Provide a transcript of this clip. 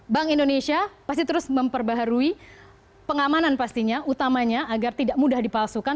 bank indonesia pasti terus memperbaharui pengamanan pastinya utamanya agar tidak mudah dipalsukan